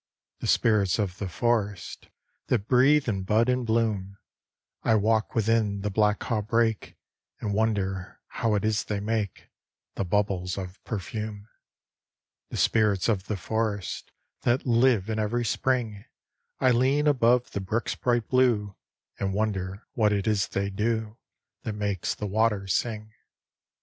The spirits of the forest, That breathe in bud and bloom I walk within the black haw brake And wonder how it is they make The bubbles of perfume. The spirits of the forest, That live in every spring I lean above the brook's bright blue And wonder what it is they do That makes the water sing.